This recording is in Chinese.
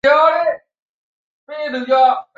高糖高盐不运动